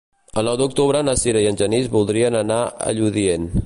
El nou d'octubre na Sira i en Genís voldrien anar a Lludient.